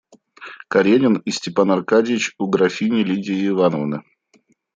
Каренин и Степан Аркадьич у графини Лидии Ивановны.